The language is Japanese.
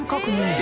で